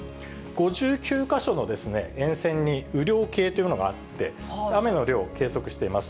５９か所の沿線に雨量計というものがあって、雨の量を計測しています。